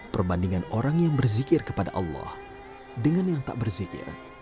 perbandingan orang yang berzikir kepada allah dengan yang tak berzikir